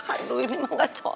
aduh ini emang gak cocok